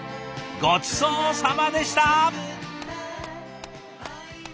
ごちそうさまでした。